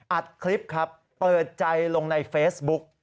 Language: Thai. อัดคลิปครับเปิดใจลงในเฟซบุ๊ก